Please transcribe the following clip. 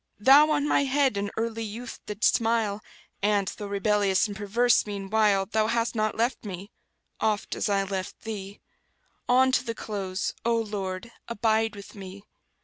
Thou on my head in early youth didst smile, And, though rebellious and perverse meanwhile Thou hast not left me, oft as I left Thee; On to the close, O Lord, abide with me!